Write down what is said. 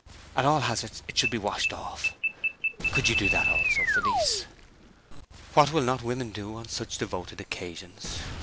At all hazards it should be washed off. Could you do that also, Felice?" What will not women do on such devoted occasions?